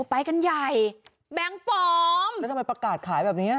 ไปกันใหญ่แบงค์ปลอมแล้วทำไมประกาศขายแบบเนี้ย